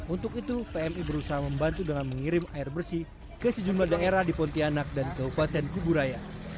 untuk itu pmi berusaha membantu dengan mengirim air bersih ke sejumlah daerah di pontianak dan kabupaten kuburaya